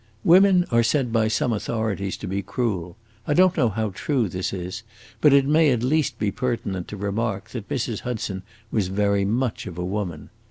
Women are said by some authorities to be cruel; I don't know how true this is, but it may at least be pertinent to remark that Mrs. Hudson was very much of a woman.